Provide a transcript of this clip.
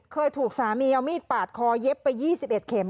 เคยถูกสามีเอามีดปาดคอเย็บไป๒๑เข็ม